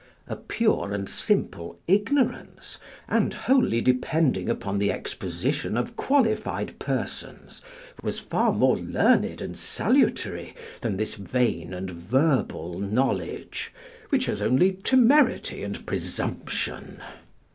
A pure and simple ignorance and wholly depending upon the exposition of qualified persons, was far more learned and salutary than this vain and verbal knowledge, which has only temerity and presumption.